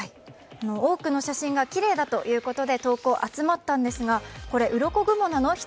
多くの写真がきれいだということで投稿が集まったんですが、これ、うろこ雲なの？